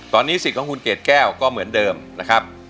ตอนนี้สิทธิ์ของคุณเกดแก้วก็เหมือนเดิมนะครับ